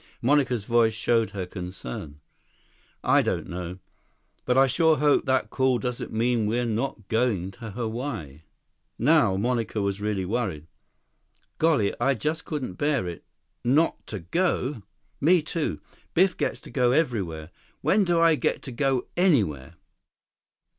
Monica's voice showed her concern. "I don't know. But I sure hope that call doesn't mean we're not going to Hawaii." 13 Now Monica was really worried. "Golly, I just couldn't bear it. Not to go!" "Me, too. Biff gets to go everywhere. When do I get to go anywhere?"